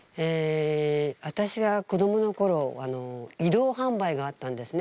私が子供のころ移動販売があったんですね。